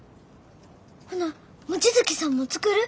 ほな望月さんも作る？